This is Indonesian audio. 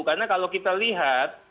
karena kalau kita lihat